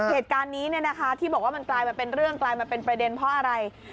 เหตุการณ์นี้ที่บอกว่ามันกลายมาเป็นเรื่องกลายมาเป็นประเด็นเพราะอะไร